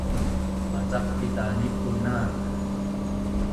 macakbit ta nipun nak